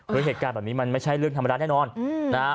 เหตุการณ์แบบนี้มันไม่ใช่เรื่องธรรมดาแน่นอนนะฮะ